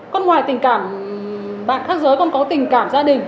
con ngoài tình cảm bạn khác giới con có tình cảm gia đình